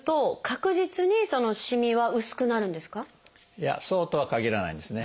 いやそうとは限らないんですね。